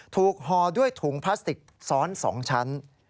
ห่อด้วยถุงพลาสติกซ้อน๒ชั้น